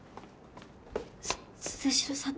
す鈴代さん